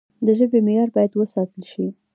د ژبي معیار باید وساتل سي.